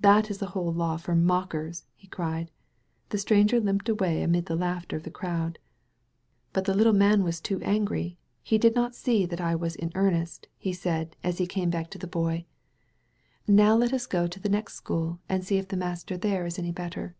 "That is the whole law for mockers,'* he cried. The stranger limped away amid the laughter of the crowd. "But the little man was too angiy; he did not see that I was in earnest," said he, as he came back SOO THE BOY OF NAZARETH DREAMS to the Boy. "Now let us go to the next school and see if the master there is any better."